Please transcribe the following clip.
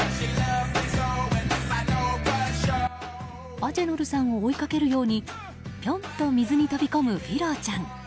アジェノルさんを追いかけるようにぴょんと水に飛び込むフィローちゃん。